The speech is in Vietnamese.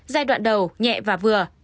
giai đoạn đầu nhẹ và vừa